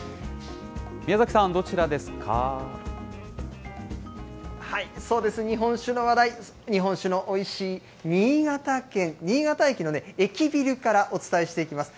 宮崎さん、そうです、日本酒の話題、日本酒のおいしい新潟県、新潟駅の駅ビルからお伝えしていきます。